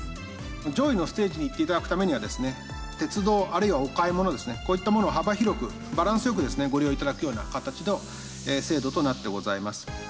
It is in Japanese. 上位のステージに行っていただくためには、鉄道あるいはお買い物ですね、こういったものを幅広くバランスよくご利用いただくような形の制度となってございま